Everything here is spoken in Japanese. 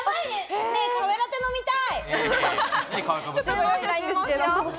カフェラテ飲みたい！